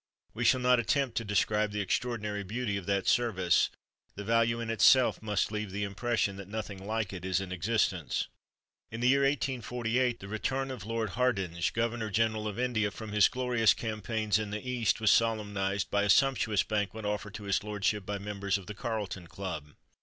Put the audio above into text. We shall not attempt to describe the extraordinary beauty of that service: the value in itself must leave the impression that nothing like it is in existence. In the year 1848 the return of Lord Hardinge, Governor General of India, from his glorious campaigns in the East, was solemnised by a sumptuous banquet offered to his lordship by the members of the Carlton Club.